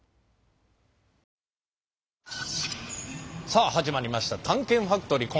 さあ始まりました「探検ファクトリー」。